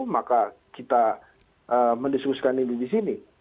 maka kita mendiskusikan ini di sini